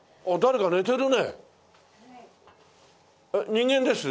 人間です？